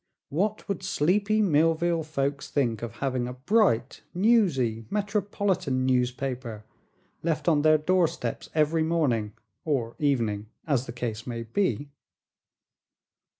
What would sleepy Millville folks think of having a bright, newsy, metropolitan newspaper left on their doorsteps every morning, or evening, as the case may be?"